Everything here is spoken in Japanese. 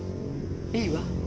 いいわ。